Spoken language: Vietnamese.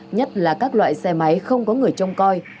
nhất là các loại xe máy không có người trông coi